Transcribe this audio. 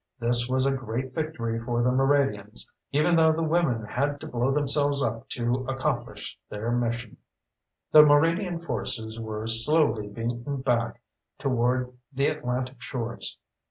This was a great victory for the Moraddians, even though the women had to blow themselves up to accomplish their mission. The Moraddian forces were slowly beaten back toward the Atlantic shores.